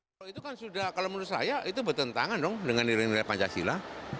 kalau itu kan sudah kalau menurut saya itu bertentangan dong dengan nilai nilai pancasila